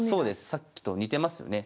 さっきと似てますよね。